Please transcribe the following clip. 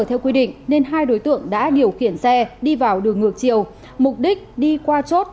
theo quy định nên hai đối tượng đã điều khiển xe đi vào đường ngược chiều mục đích đi qua chốt